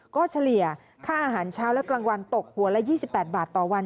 ก็เฉลี่ยค่าอาหารเช้าและกลางวันตกหัวละ๒๘บาทต่อวัน